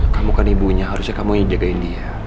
kamu kan ibunya harusnya kamu yang jagain dia